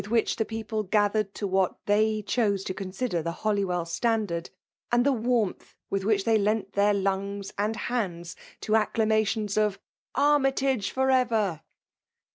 whick the people gathered to what ihm/ (frose to consider the Holywell standard, and the warmth wit};i which they lent their Inngis and hands to aeclamations of " Armjtage for ever!